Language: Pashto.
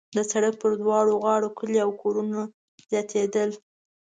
د سړک پر دواړو غاړو کلي او کورونه زیاتېدل.